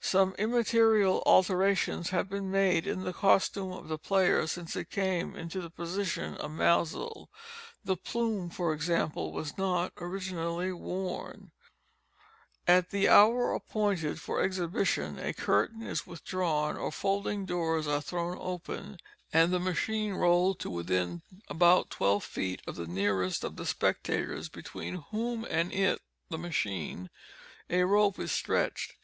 Some immaterial alterations have been made in the costume of the player since it came into the possession of Maelzel—the plume, for example, was not originally worn. {image of automaton} At the hour appointed for exhibition, a curtain is withdrawn, or folding doors are thrown open, and the machine rolled to within about twelve feet of the nearest of the spectators, between whom and it (the machine) a rope is stretched.